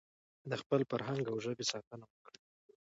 د خپل فرهنګ او ژبې ساتنه وکړئ.